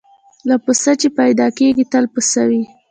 له پسه چي پیدا کیږي تل پسه وي